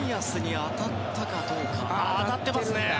当たっていますね。